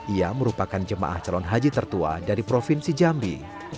ia merupakan jemaah calon haji tertua dari provinsi jambi